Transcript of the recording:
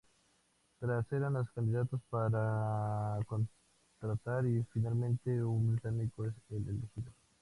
Tres eran los candidatos para contratar y finalmente un británico es el elegido.